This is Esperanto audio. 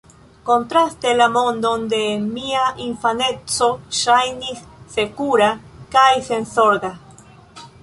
Kontraste, la mondo de mia infaneco ŝajnis sekura kaj senzorga.